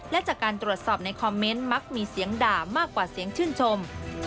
และจากการตรวจสอบในคอมเมนต์มักมีเสียงด่ามากกว่าเสียงชื่นชม